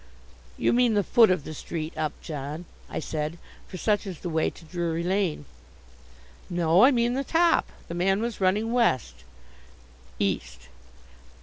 "You mean the foot of the street, Upjohn," I said, for such is the way to Drury Lane. "No; I mean the top. The man was running west." "East."